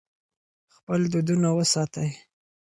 خپل دودونه وساتئ.